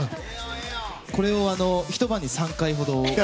これをひと晩に３回ほど。